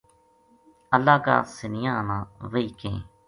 اللہ کا سنیاہ نا وحی کہیں۔